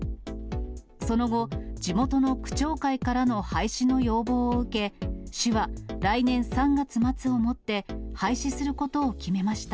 その後、地元の区長会からの廃止の要望を受け、市は来年３月末をもって廃止することを決めました。